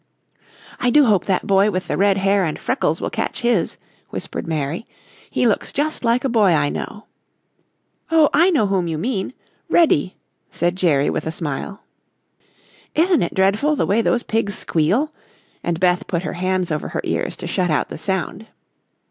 "I do hope that boy with the red hair and freckles will catch his," whispered Mary; "he looks just like a boy I know." "Oh, I know whom you mean; Reddy," said Jerry with a smile. "Isn't it dreadful the way those pigs squeal," and Beth put her hands over her ears to shut out the sound.